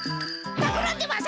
たくらんでません！